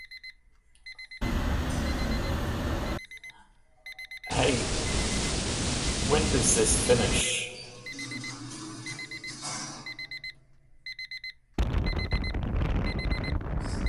Matches with blood are not broadcast unless it accidentally happens during a live event.